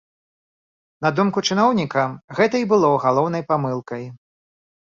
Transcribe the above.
На думку чыноўніка, гэта і было галоўнай памылкай.